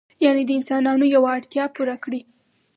یعنې د انسانانو یوه اړتیا پوره کړي.